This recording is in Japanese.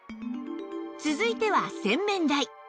続いては洗面台